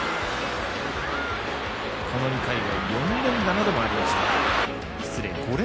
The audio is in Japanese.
この２回は５連打などもありました。